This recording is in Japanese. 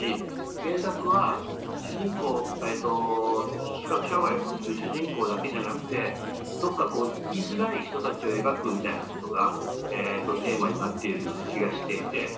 原作は視覚障がいを持ってる主人公だけじゃなくてどこか生きづらい人たちを描くみたいなことがテーマになっている気がしていて。